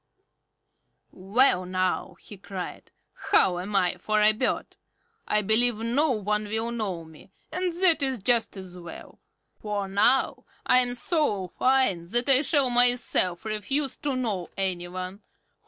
"Well now!" he cried. "How am I for a bird? I believe no one will know me, and that is just as well; for now I am so fine that I shall myself refuse to know any one.